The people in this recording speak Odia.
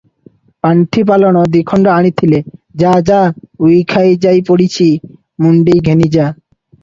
ପାଣ୍ଠି ପଲାଣ ଦିଖଣ୍ଡ ଆଣିଥିଲେ; ଯା, ଯା, ଉଇ ଖାଇଯାଇ ପଡ଼ିଛି ମୁଣ୍ଡାଇ ଘେନି ଯା ।